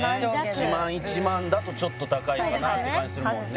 １万１万だとちょっと高いかなって感じするもんね